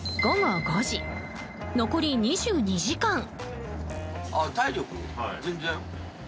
午後５時、残り２２時間。